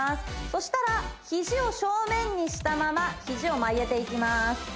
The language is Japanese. そしたらヒジを正面にしたままヒジを曲げていきます